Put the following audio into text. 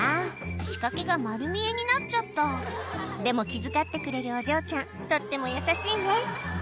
仕掛けが丸見えになっちゃったでも気遣ってくれるお嬢ちゃんとっても優しいね